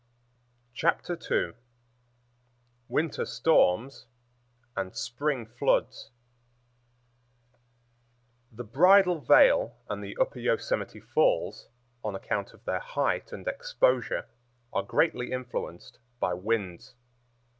Chapter 2 Winter Storms and Spring Floods The Bridal Veil and the Upper Yosemite Falls, on account of their height and exposure, are greatly influenced by winds.